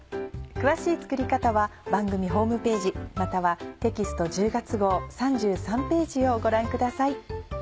詳しい作り方は番組ホームページまたはテキスト１０月号３３ページをご覧ください。